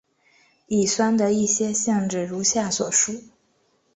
乙酸的一些性质如下所述。